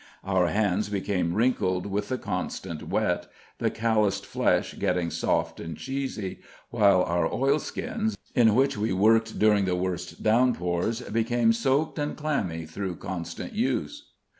Our hands became wrinkled with the constant wet, the calloused flesh getting soft and cheesy, while our oilskins, in which we worked during the worst downpours, became soaked and clammy through constant use.